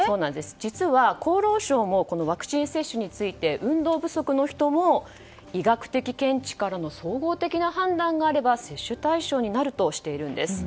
実は厚労省もワクチン接種について運動不足の人も医学的見地からの総合的な判断があれば接種対象になるとしているんです。